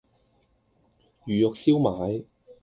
魚肉燒賣